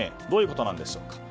どういうことなんでしょう。